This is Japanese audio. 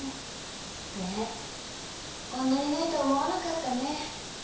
ねっこんなにないと思わなかったね。